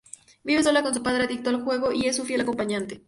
Vive sola con su padre, adicto al juego, y es su fiel acompañante.